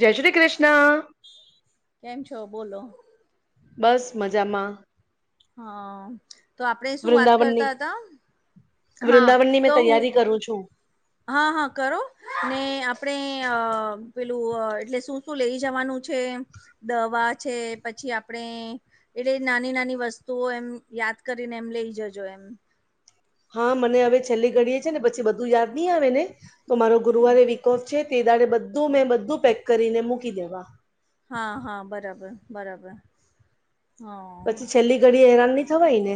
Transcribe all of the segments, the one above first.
જય શ્રી કૃષ્ણ. કેમ છો બોલો? બસ મજામાં. હા તો આપણે શું વાત વૃંદાવનની કરતા હતા હા વૃંદાવનની તો મેં હું તૈયારી કરું છું. હા હા કરો ને આપણે પેલું એટલે શું શું લઈ જવાનું છે. દવા છે પછી આપણે એટલે નાની નાની વસ્તુઓ એમ યાદ કરીને એમ લઈ જજો એમ. હા મને હવે છેલ્લી ઘડીએ છ છે ને પછી બધું યાદ નહી આવે ને તો મારો ગુરુવારે કોફ છે તે દાડે બધું મેં બધું પેક કરીને મૂકી દેવા. હા હા બરાબર બરાબર હા પછી છેલ્લી ઘડી હેરાન નહી થવાય ને.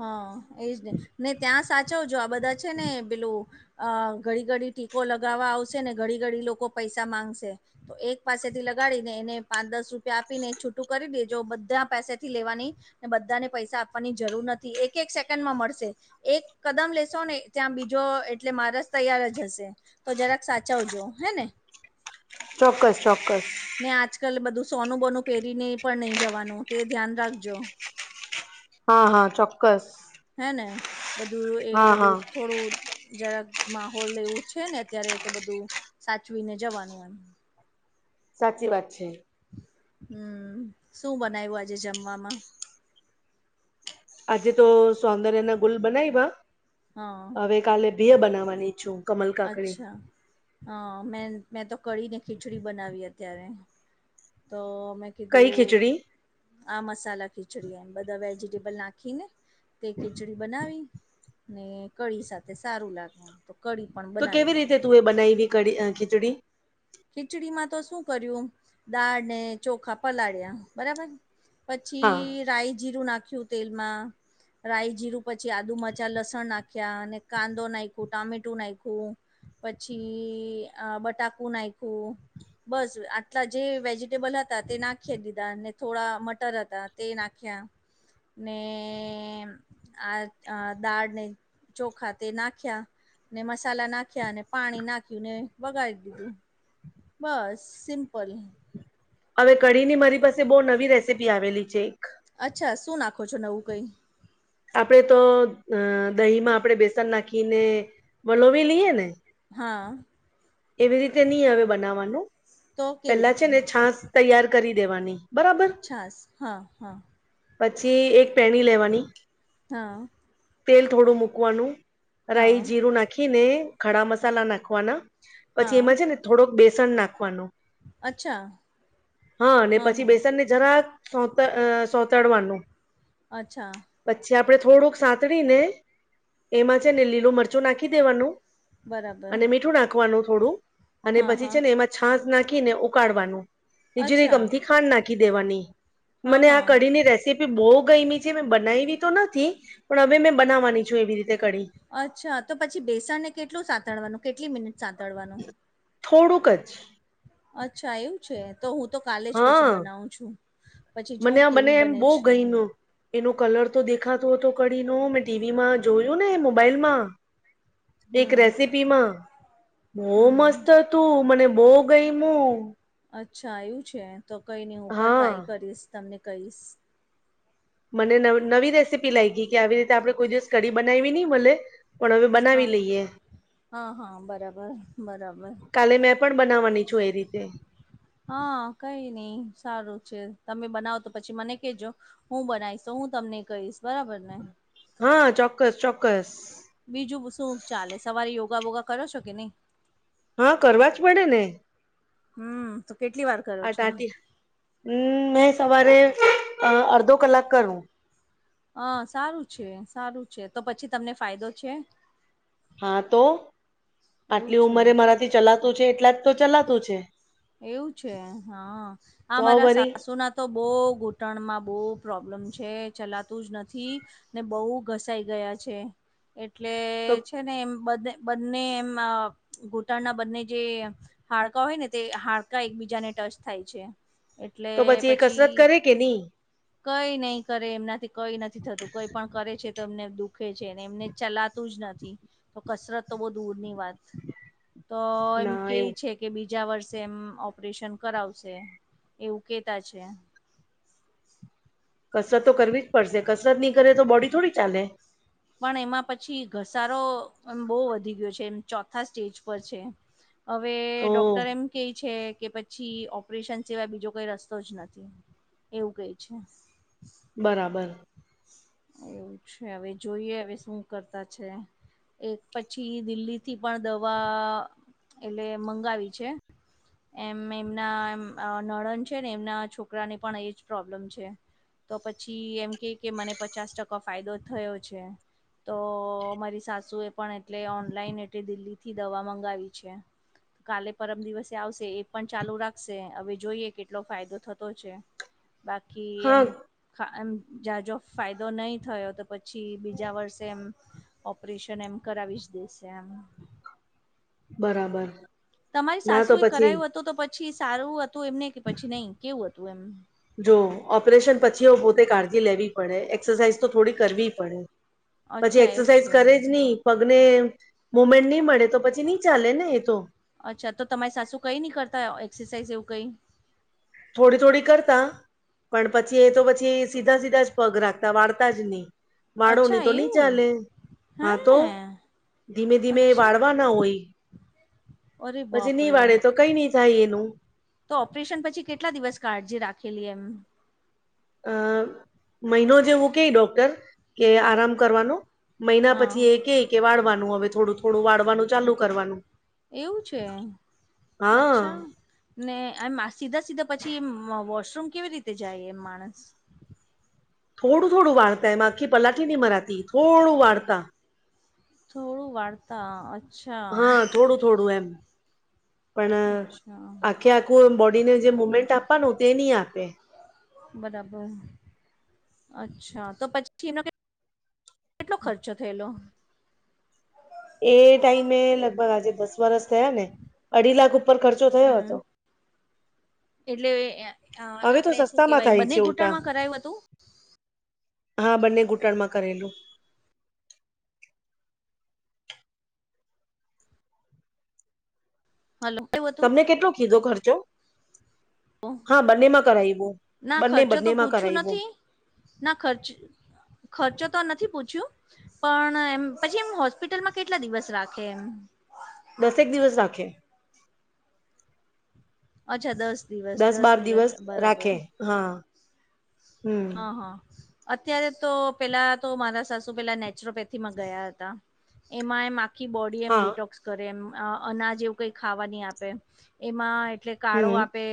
હા એજ ને ને ત્યાં સાચવજો આ બધા છે ને પેલું અ ઘડી ઘડી ટીકો લગાવવા આવશે ને ઘડી ઘડી લોકો પૈસા માંગશે તો એક પાસેથી લગાડી ને એને પાંચ દસ રૂપિયા આપીને છૂટું કરી દે જો બધા પાસેથી લેવાની ને બધાને પૈસા આપવાની જરૂર નથી એક એક સેકન્ડ માં મળશે. એક કદમ લેશો ને ત્યાં બીજો એટલે મારે જ તૈયાર જ હશે. તો જરાક સાચવજો હે ને. ચોક્કસ ચોક્કસ. ને આજકાલ બધું સોનું બોનું પહેરીને પણ નહી જવાનું તે ધ્યાન રાખજો. હા હા ચોક્કસ. હે ને બધું એ હા બધું હા થોડું જરાક માહોલ એવું છે ને અત્યારે તો બધું સાચવીને જવાનું એમ. સાચી વાત છે. હમ્મ શું બનાય્યું આજે જમવામાં. આજે તો સૌંદર્ય ના ગુલ બનાવવા હા હવે કાલે બીહ બનાવવાની છું કમલ કાકડી હ મે મેં તો કડી ને ખીચડી બનાવી છે. તો મેં કઈ કીધું ખીચડી આ મસાલા ખીચડી એમ બધા વેજીિટેબલ નાખીને તે ખીચડી બનાવી હમ્મ કળી સાથે સારું લાગવું તો કળી તો કેવી રીતે તું એ બનાવીવી ક ખીચડી ખીચડીમાં તો શું કર્યું દાળ ને ચોખા પલાળ્યા બરાબર હા પછી રાય જીરું નાખ્યું તેલમાં. રાય જીરું પછી આદુ મચા લસણ નાખ્યા અને કાંદો નાખ્યો ટામેટું નાખ્યું પછી આ બટાકુ નાખું. બસ આટલા જે વેજિટેબલ હતા તે નાખી દીધા ને થોડા મટર હતા. તે નાખ્યા ને આ દાળને ચોખા તે નાખ્યા ને મસાલા નાખ્યા અને પાણી નાખ્યું ને બગાડી દીધું. બસ સિમ્પલ. હવે કઢી ની મારી પાસે બહુ નવી રેસીપી આવેલી છે. અચ્છા શું નાખો છો નવું કઈ. આપણેે તો અ દહીમાં આપણે બેસન નાખીને વલોવી લઈએ ને. હા. એવી રીતે ની હવે બનાવવાનું તો કેવી પેલા છે રીતે ને છાાસ તૈયાર કરી દેવાની. બરાબર છાસ હા હા પછી એક પેણી લેવાની. હા. તેલ થોડું મૂકવાનું રાઈ હા જીરું નાખીને ખડા મસાલા નાખવાના. પછી હા એમાં છે ને થોડોક બેસણ નાખવાનું. અચ્છા હા પછી બેસનની. જરાક અ સો સોતડવાનું. અચ્છા. પછી આપડણે થોડુંક સાતડી ને એમાં છે ને લીલો મરચું નાખી દેવાનું. બરાબર અને મીઠું નાખવાનું થોડું. અને હા પછી હા છે ને એમાં છાસ નાખીને ઉકાળવાનું ને જીરિક અચ્છા આમથી ખાંડ નાખી દેવાની હા મને આ હા કડી ની તે બહુ ગઈમી છે મેં બનાવી તો નથી પણ હવે મેં બનાવવાની છું એવી રીતે કડી. અચ્છા તો પછી બેસણને કેટલું સાતડવાનું કેટલી મિનિટ સાતડવાનું. થોડુંક જ અચ્છા એવું. છે તો હું તો કાલે જ પછી હા બનાવું છું પછી જોઉ મને આ મને કેવી એમ બને બહુ છે. ગયમું એનો કલર તો દેખાતો હતો કડીનો મેં ટીવીમાં જોયું ને મોબાઈલમાં. એક હમ રેસીપીમાં બહ હમ મસ્ત હતું મને બહુ ગઈમું. અચ્છા આવ્યું છે તો કઈ નહી હું પણ હા ટ્રાય કરીશ તમને કહીશ. મને નવી રેસીપી લાગી ગઈ કે આવી રીતે આપડણે કોઈ દિવસ કઢી બનાવી નહી મલે. પણ હવે હા બનાવી લઈએ. હા હા બરાબર બરાબર. કાલે મેં પણ બનાવવાની છું એ રીતે હા કઈ નઈ સારું છે તમે બનાવો તો પછી મને કેજો. હું બનાવીશ હું તમને કહીશ બરાબર ને. હા ચોક્કસ ચોક્કસ. બીજું શું ચાલે સવારે યોગા વોગા કરો છો કે નહી. હા કરવા જ પડે ને. હમ્મ તો કેટલી વાર કરો આટ છો આટી હમ મેં સવારે અડધો કલાક કર હું. હ સારું છે સારું છે તો પછી તમને ફાયદો છે. હા તો એવું આટલી છે ઉંમરે મારાથી ચલાતું છે એટલા જ તો ચલાતું છે. એવું છે હા આ તો મારા વરી સાસુ ના તો બહુ ઘૂંટણમાં બહુ પ્રોબ્લેમ છે ચલાતું જ નથી. ને બહુ ઘસાઈ ગયા છે એટલે તો છે ને એમ બ બંને એમ ઘૂટણના બંને જે હાડકા હોય ને તે હાડકા એકબીજાને ટચ થાય છે એટલે તો એ પછી કસરત કરે કે ની કઈ નહી કરે એમનાથી કઈ નથી થતું કઈ પણ કરે છે તો એમને દુઃખ. દુખે છેને એમને ચલાતું જ નથી તો કસરત તો બહ દૂર ની વાત. તો એમ ના એવું કેવી છે કે બીજું. બીજા વર્ષે એમ ઓપરેશન કરાવશે એવું કેતા છે. કસરત તો કરવી જ પડશે કસરત નહી કરે તો બોડી થોડી ચાલે. પણ એમાં પછી ઘસારો એમ બહુ વધી ગયો છે એમ ચોથા સ્ટેજ પર છે. હવે ઓ ડોક્ટર એમ કે છે કે પછી ઓપરેશન સિવાય બીજો કઈ રસ્તો જ નથી. એવું કહે છે. બરાબર. એવું છે હવે જોઈએ હવે શું કરતા છે. એક પછી દિલ્હીથી પણ દવા એટલે મંગાવી છે. એમ એમનામ નડન છે ને એમના છોકરાને પણ એજ પ્રોબ્લેમ છે. તો પછી એમ કે કે મને પચાસ ટકા ફાયદો થયો છે. તો મારી સાસુ એ પણ એટલે ઓનલાઈન એટ દિલ્હી થી દવા મગાવી છે. કાલે પરમ દિવસે આવશે એ પણ ચાલુ રાખશે હવે જોઈએ કેટલો ફાયદો થતો છે. [unintelligible] બાકી હા એમમ જા જો ફાયદો નહી થયો તો પછી. પછી બીજા વર્ષે એમ ઓપરેશન એમ કરાવી જ દેશે એમ. બરાબર. તમારી ના સાસુ તો એ પછી કરાયું હતું તો પછી સારું હતું એમને કે પછી નહી કેવું હતું એમ. જો ઓપરેશન પછી પોતે કાળજી લેવી પડે એક્સરસાઇઝ તો થોડી કરવી પડે. પછી અચ્છા એવું એક્સરસાઇઝ છે કરે જ નહી. પગને મુમેન્ટ નહી મળે તો પછી નહી ચાલે ને એ તો. અચ્છા તો તમારી સાસુ કઈ નહી કરતા હો એક્સરસાઇઝ એવું કઈ. થોડી થોડી કરતા પણ પછી એ તો પછી સીધા સીધા જ પગ રાખતા વાળતા જ નહીં. અચ્છા વાળોની તો નહી એવું ચાલે. હા તો હે ધીમે ધીમે અચ્છા વાળવા ના હોય. અરે પછી નહી બાપરે વાળે તો કઈ નહી થાય એનું. તો ઓપરેશન પછી કેટલા દિવસ કાળજી રાખેલી એમ. અ મહિનો જેવું કે ડોક્ટર કે આરામ કરવાનું. મહિના હા પછી એ કે કે વાળવાનું હવે થોડું થોડું વાળવાનું ચાલુ કરવાનું. એવું છે હા અચ્છા. ને એમ સીધા સીધા પછી એ વોશરૂમ કેવી રીતે જાય એમ માણસ. થોડું થોડું વાળતાય માખી પલાટીી નહી મરાતી થોડું વાળતા. થોડું વાતા. હા થોડું થોડું એમ. પણ અચ્છા આખે આખું બોડીને જે મુવમેન્ટ આપવાનું તે નહી આપે. બરાબર અચ્છા તો પછી એ. કેટલો ખર્ચો થયેલો. એ ટાઈમે લગભગ આજે દસ વરસ થયા ને અઢી લાખ ઉપર ખર્ચ. તે થયો હમ હતો એટલે હવે તો આપણે શું સસ્તામાં કેવાય થાય બંને છે ઉલટા ઘૂંટણમાં કરાયું હતું. હા બંને ઘૂંટણ માં કરેલું. હલો. હતું તમને કેટલો કીધો ખર્ચો. હા બંનેમાં કરાવવું ના બંને ખર્ચો બંને તો માં પૂછ્યું કરાવવું. નથી ના ખર્ચ ખર્ચો તો નથી પૂછ્યું. પણ એમ પછી એમ હોસ્પિટલમાં કેટલા દિવસ રાખે એમ દસેક દિવસ રાખે. અચ્છા દસ દિવસ દસ દિવસ બરાબર. હા. હમ હા હા. અત્યારે તો પેલા તો મારા સાસુ પેલા નેચરોપેથીમાં ગયા હતા, એમાં એમ આખી બોડી એમ હા ડિટોક્સ કરે એમ, અનાજ એવું કંઈ ખાવા નહીં આપે. એમાં એટલે કાળો હમ આપે,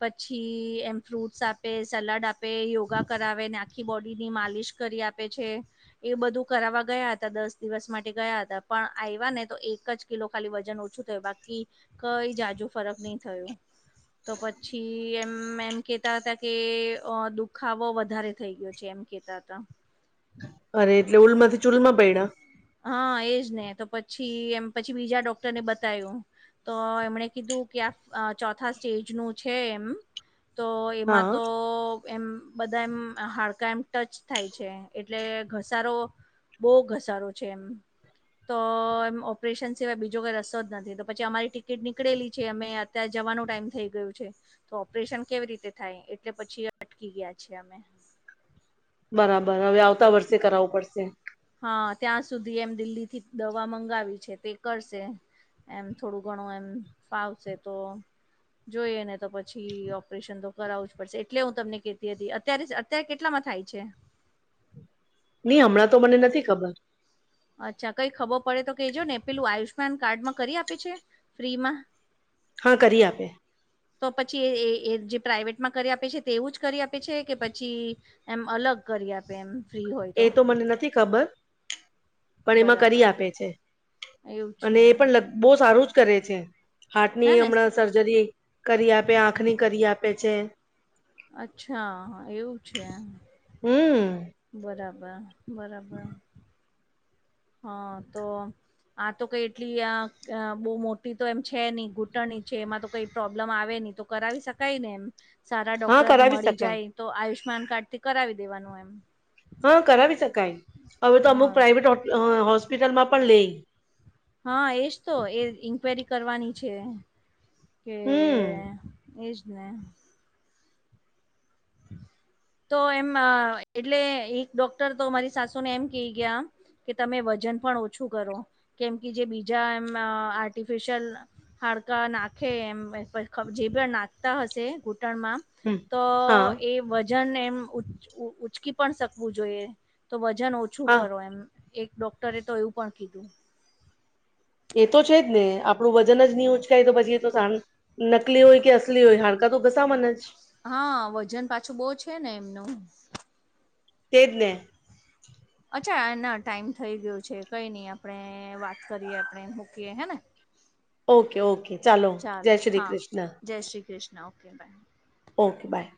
પછી એમ ફ્રૂટ્સ આપે, સલાડ આપે. એમાં યોગા કરાવે, શરીરની માલિશ કરી આપે. એ બધું કરાવવા ગયા હતા, દસ દિવસ માટે ગયા હતા, પણ આવ્યા ને તો એક જ કિલો ખાલી વજન ઓછું થયું, બાકી કંઈ જાજુ ફરક નહીં થયો. તો પછી એમ એમ કેતા હતા કે. અ દુખાવો વધારે થઈ ગયો છે, એમ કેતા હતા. અરે, એટલે ઉલમાંથી ચૂલમાં પડયા. હા, એજ ને. તો પછી એમ પછી બીજા ડોક્ટરને બતાયું. તો એમણે કીધું કે, આ ચોથા સ્ટેજ નું છે એમ. તો એમાં હા તો. એમ બધા એમ હાડકા એમ ટચ થાય છે, એટલે ઘસારો. બહુ ઘસારો છે એમ. તો એમ, ઓપરેશન સિવાય બીજો કઈ રસ્તો જ નથી. તો પછી અમારી ટિકિટ નીકળેલી છે, અમે. ત્યાં જવાનું ટાઈમ થઈ ગયું છે. તો ઓપરેશન કેવી રીતે થાય? એટલે પછી અટકી ગયા છીએ અમે. બરાબર, હવે આવતા વર્ષે કરાવવું પડશે. હા, ત્યાં સુધી એમ દિલ્હીથી દવા મંગાવી છે, તે કરશે. એમ થોડું ઘણું એમ ફાવશે તો. જોઈએ ને, તો પછી ઓપરેશન તો કરાવવું જ પડશે. એટલે હું તમને કેતી હતી, અત્યારે અત્યારે કેટલામાં થાય છે.. નહીં હમણાં તો મને નથી ખબર. અચ્છા, કંઈ ખબર પડે તો કહેજો ને. પેલું આયુષ્યમાન કાર્ડમાં કરી આપે છે. ફી માં. હા, કરી આપે. તો પછી એ એ જે પ્રાાઈવેટમાં કરી આપે છે, તે એવું જ કરી આપે છે કે પછી? એમ અલગ કરી આપે. એમ ફ્રી હોય એ તો મને નથી ખબર. પણ એમાં બરાબર કરી આપે છે, એવું છે અને એ પણ અલગ બહુ સારું જ કરે છે, હે હાર્ટની ને હમણાં સર્જરી કરી આપે, આંખની કરી આપે છે. અચ્છા, એવું છે? હમ બરાબર. બરાબર. હા, તો. આ તો કંઈ એટલી બહુ મોટી તો એમ છે નહીં. ઘૂંટણી છે એમાં તો કંઈ પ્રોબ્લેમ આવે નહી. કરાવી શકાય ને, એમ સારા હા ડોક્ટર કરાવી મળી શકાય જાય. તો આયુષ્યમાન કાર્ડ થી કરાવી દેવાનું એમ. હા, કરાવી શકાય. હવે તો અમુક હા પ્રાાઈવેટ હોસ્પિટલમાં પણ લેઈ હા, એજ તો. એ ઇન્ક્વાયરી કરવાની છે કે હમ એજ ને. તો એમ, એટલે એક ડોક્ટર તો મારી સાસુને એમ કહી ગયા. કે તમે વજન પણ ઓછું કરો, કેમ કે જે બીજા એમ આર્ટિફિશિયલ હાડકા નાખે એમ, જે પણ નાખતા હશે ઘૂંટણમાં. હમ તો હા એ વજન એમ ઉંચકી પણ શકવું જોઈએ. તો વજન ઓછું હા કરો, એમ એક ડોક્ટરે તો એવું પણ કીધું. એ તો છે જ ને, આપણું વજન જ નહીં ઉંચકાય તો પછી એ તો નકલી હોય કે અસલી હોય, હાડકા તો સામાન્ય જ હા વજન પાછું બહુ છેને, એમનું તેજને અચ્છા ના ટાઈમ થઈ ગયું છે કઈ નઈ આપણેે વાત કરીએ આપણે મૂકીએ હેને. ઓકે ઓકે ચાલો જય શ્રી કૃષ્ણ જય Shri Krishna okay bye okay by